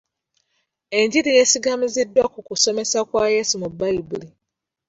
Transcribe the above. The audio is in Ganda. Enjiri yesigamiziddwa ku kusomesa kwa Yesu mu bayibuli.